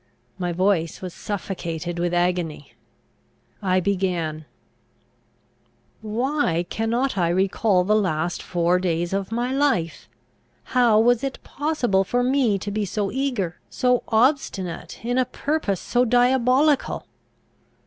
My voice was suffocated with agony. I began: "Why cannot I recall the last four days of my life? How was it possible for me to be so eager, so obstinate, in a purpose so diabolical?